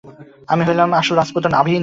আমি হলাম আসল রাজপুত্র নাভিন!